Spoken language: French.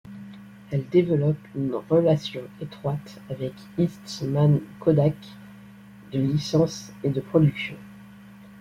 Elle développe une relation étroite avec Eastman Kodak de licence et de production.